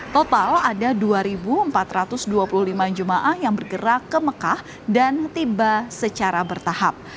total ada dua empat ratus dua puluh lima jemaah yang bergerak ke mekah dan tiba secara bertahap